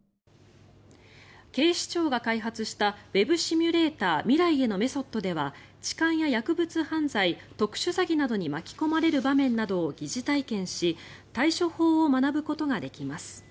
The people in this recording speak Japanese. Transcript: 警視庁が開発したウェブシミュレーター未来へのメソッドでは痴漢や薬物犯罪特殊詐欺などに巻き込まれる場面などを疑似体験し対処法を学ぶことができます。